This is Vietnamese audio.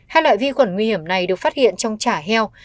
hai loại vi khuẩn nguy hiểm này được phát hiện trong chả heo